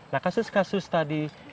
nah kasus kasus tadi sudah dikonsumsi